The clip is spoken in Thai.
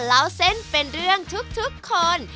เล่าเส้นเป็นเรื่องทุกคน